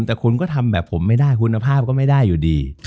แต่คุณก็ทำแบบผมไม่ได้คุณภาพก็ไม่ได้อยู่ดี